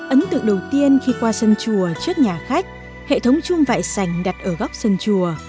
ấn tượng đầu tiên khi qua sân chùa trước nhà khách hệ thống chuông vải sành đặt ở góc sân chùa